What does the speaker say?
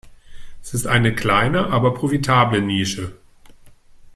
Es ist eine kleine aber profitable Nische.